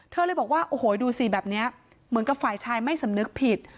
เลยบอกว่าโอ้โหดูสิแบบนี้เหมือนกับฝ่ายชายไม่สำนึกผิด